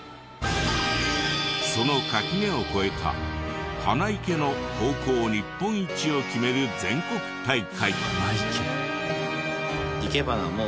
その垣根を越えた花いけの高校日本一を決める全国大会。